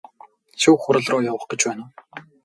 Шүүх хуралруу явах гэж байна уу?